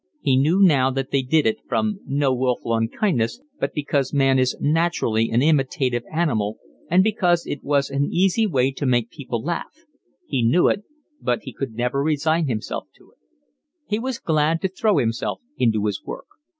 He knew now that they did it from no wilful unkindness, but because man is naturally an imitative animal, and because it was an easy way to make people laugh: he knew it, but he could never resign himself to it. He was glad to throw himself into his work.